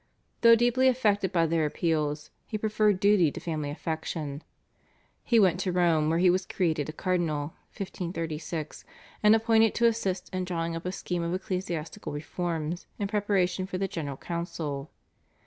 Though deeply affected by their appeals, he preferred duty to family affection. He went to Rome where he was created a cardinal (1536), and appointed to assist in drawing up a scheme of ecclesiastical reforms in preparation for the General Council.